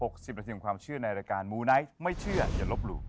๖๐นาทีของความเชื่อในรายการมูไนท์ไม่เชื่ออย่าลบหลู่